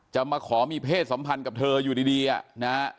มาขอมีเพศสัมพันธ์กับเธออยู่ดีนะฮะ